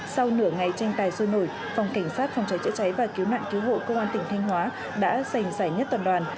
sau nửa ngày tranh tài sôi nổi phòng cảnh sát phòng cháy chữa cháy và cứu nạn cứu hộ công an tỉnh thanh hóa đã giành giải nhất toàn đoàn